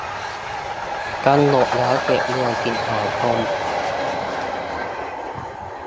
กำหนดแล้วเสร็จเดือนสิงหาคม